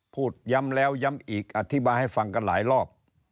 พูดย้ำแล้วย้ำอีกอธิบายให้ฟังกันหลายรอบ